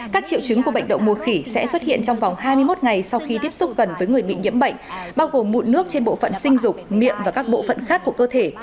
các triệu chứng của bệnh đậu mùa khỉ sẽ xuất hiện trong vòng hai mươi một ngày sau khi tiếp xúc gần với người bị nhiễm bệnh bao gồm mụn nước trên bộ phận sinh dục miệng và các bộ phận khác của cơ thể